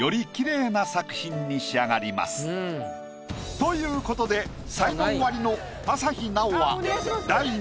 という事で才能アリの朝日奈央は。